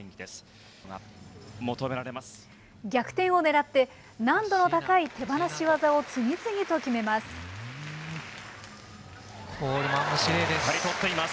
逆転をねらって、難度の高い手放し技を次々と決めます。